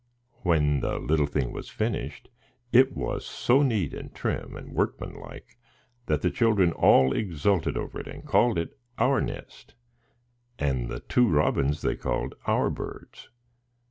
When the little thing was finished, it was so neat, and trim, and workman like, that the children all exulted over it, and called it "our nest," and the two robins they called "our birds."